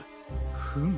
フム。